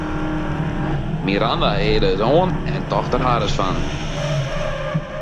Miranda hearde it oan en tocht der harres fan.